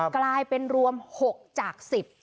กลายเป็นรวม๖จาก๑๐